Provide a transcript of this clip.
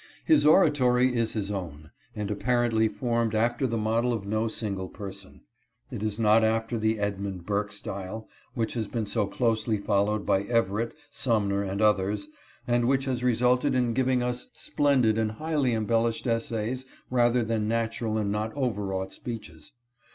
His oratory is his own, and apparently formed after the model of no single person. It is not after the Edmund Burke style, which has been so closely followed by Everett, Sumner, and others, and which has resulted in giving us splendid and highly embellished essays rather than natural and not overwrought speeches.